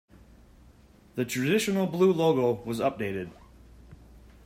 The traditional blue logo was updated.